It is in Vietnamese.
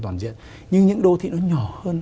toàn diện nhưng những đô thị nó nhỏ hơn